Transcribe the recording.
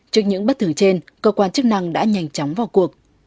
trước những bất thường trên cơ quan chức năng đã nhanh chóng vào cuộc